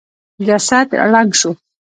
جسد ړنګ شو.